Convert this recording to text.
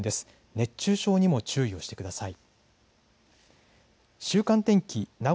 熱中症にも注意をしてください。